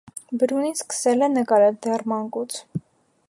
Բրունին սկսել է նկարել դեռ մանկուց։